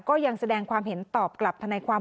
ก็ยังแสดงความเห็นตอบกลับธนายความ